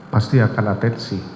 pasti akan atensi